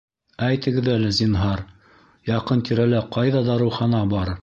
Әйтегеҙ әле, зинһар, яҡын тирәлә ҡайҙа дарыухана бар?